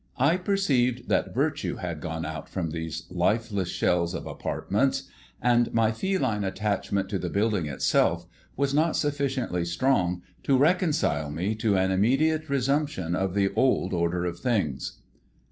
I perceived that virtue had gone out from these lifeless shells of apartments; and my feline attachment to the building itself was not sufficiently strong to reconcile me to an immediate resumption of the old order of things.